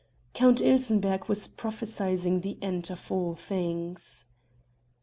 Count Ilsenbergh was prophesying the end of all things.